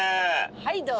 はいどうぞ。